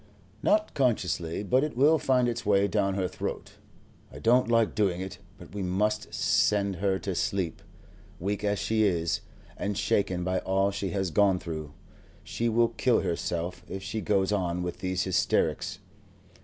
"Not consciously, but it will find its way down her throat. I don't like doing it, but we must send her to sleep. Weak as she is, and shaken by all she has gone through, she will kill herself if she goes on with these hysterics."